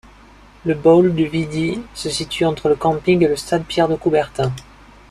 Le bowl de Vidy se situe entre le camping et le stade Pierre-de-Coubertin.